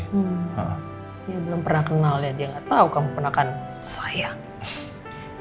hmm dia belum pernah kenal ya dia nggak tahu kamu pernah kan sayang